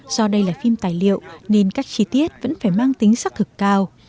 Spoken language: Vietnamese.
do đây là phim tài liệu nên các chi tiết vẫn phải mang tính sắc thực cao